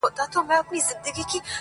o غلبېل کوزې ته ول سورۍ.